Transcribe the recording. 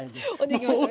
できました。